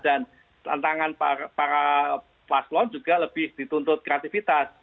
dan tantangan para paslon juga lebih dituntut kreatifitas